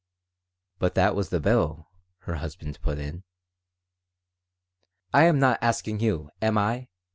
"But that was the bill," her husband put in "I am not asking you, am I?"